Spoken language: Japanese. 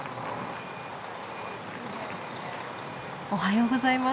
おはようございます。